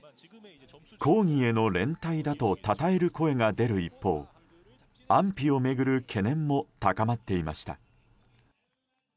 抗議への連帯だとたたえる声が出る一方安否を巡る懸念も高まっていました。